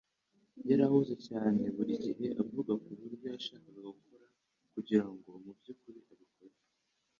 Yari ahuze cyane buri gihe avuga kubyo yashakaga gukora kugirango mubyukuri abikore.